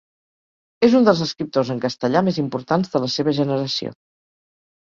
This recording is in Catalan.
És un dels escriptors en castellà més importants de la seva generació.